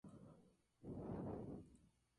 Son nativas del sudeste de Asia hasta Nueva Guinea.